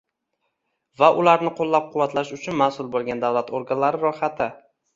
va ularni qo‘llab-quvvatlash uchun mas’ul bo‘lgan davlat organlari ro‘yxati